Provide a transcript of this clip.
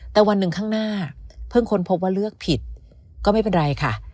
แต่วันหนึ่งข้างหน้าเพิ่งค้นพบว่าเลือกผิดก็ไม่เป็นไรค่ะ